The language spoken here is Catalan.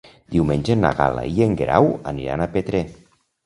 Diumenge na Gal·la i en Guerau aniran a Petrer.